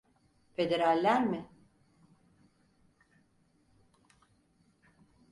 Federaller mi?